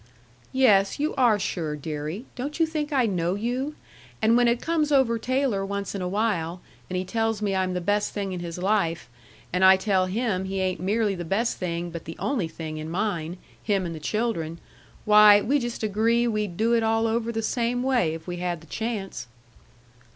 "Yes, you are sure, deary. Don't you think I know you? And when it comes over Taylor once in a while, and he tells me I'm the best thing in his life, and I tell him he ain't merely the best thing but the only thing in mine, him and the children, why, we just agree we'd do it all over the same way if we had the chance."